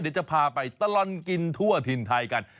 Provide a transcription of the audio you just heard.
เดี๋ยวจะพาไปตลอดกินทั่วถิ่นไทยกัน